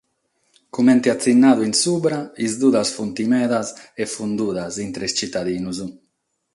Comente atzinnadu in subra, is dudas sunt medas e fundudas, intre is tzitadinos.